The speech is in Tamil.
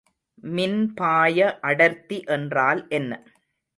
மின்பாய அடர்த்தி என்றால் என்ன?